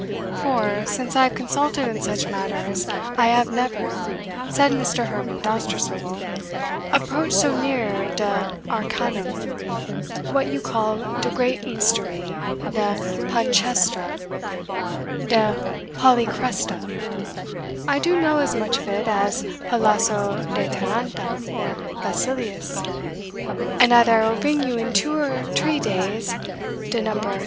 "For, since I have consulted in such matters, I ave never," said Mr. Herman Dousterswivel, "approached so near de arcanum, what you call de great mystery, de Panchresta de Polychresta I do know as much of it as Pelaso de Taranta, or Basilius and either I will bring you in two and tree days de No. III.